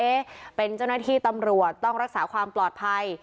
เป็นเจ้าหน้าที่ตำรวจต้องรักษาความปลอดภัย